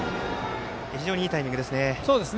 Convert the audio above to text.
非常にいいタイミングですね。